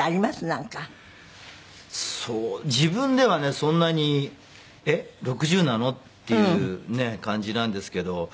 そんなにえっ６０なの？っていうね感じなんですけど。